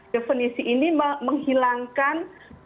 definisi ini menghilangkan